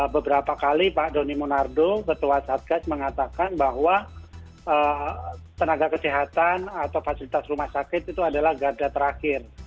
beberapa kali pak doni monardo ketua satgas mengatakan bahwa tenaga kesehatan atau fasilitas rumah sakit itu adalah garda terakhir